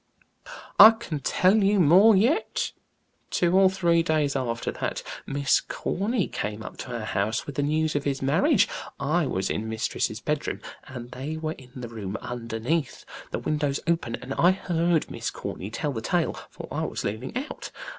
"I can tell you more yet. Two or three days after that, Miss Corny came up to our house with the news of his marriage. I was in mistress's bedroom, and they were in the room underneath, the windows open, and I heard Miss Corny tell the tale, for I was leaning out.